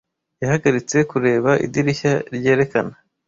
Yahagaritse kureba idirishya ryerekana.